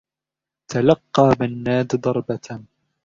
تلقّى منّاد ضربة.